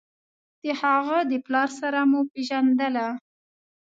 د هغه د پلار سره مو پېژندله.